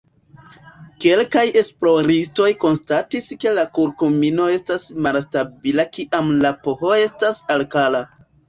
Kelkaj esploristoj konstatis ke la kurkumino estas malstabila kiam la pH estas alkala.